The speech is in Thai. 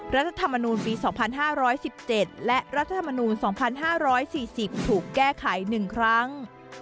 รัฐธรรมนูญปีสองพันห้าร้อยสิบเจสและรัฐธรรมนูญสองพันห้าร้อยสี่สิบถูกแก้ไขหนึ่งครั้ง